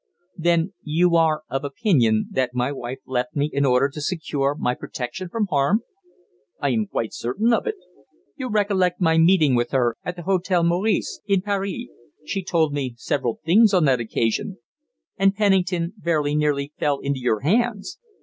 "Then you are of opinion that my wife left me in order to secure my protection from harm?" "I am quite certain of it. You recollect my meeting with her at the Hôtel Meurice in Paris. She told me several things on that occasion." "And Pennington very nearly fell into your hands."